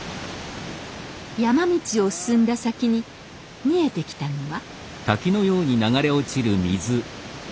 山道を進んだ先に見えてきたのは。